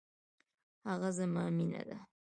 هغه زما مينه ده.